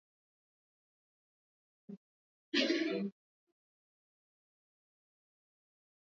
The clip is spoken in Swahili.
Mwezi Mei, kumi na tano, elfu moja mia tisa sitini na sita, ndipo matangazo hayo yaliongezewa dakika nyingine thelathini na kuwa matangazo ya saa moja